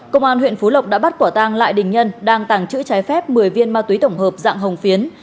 công an huyện phú lộc đã bắt quả tang lại đình nhân đang tàng trữ trái phép một mươi viên ma túy tổng hợp dạng hồng phiến